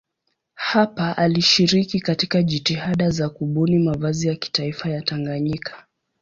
Hapa alishiriki katika jitihada za kubuni mavazi ya kitaifa ya Tanganyika.